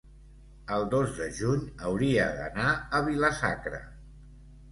el dos de juny hauria d'anar a Vila-sacra.